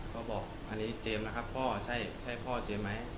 ก็บอกอันนี้เจมส์นะครับพ่อใช่พ่อเจมส์ไหม